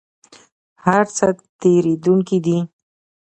هر څه تیریدونکي دي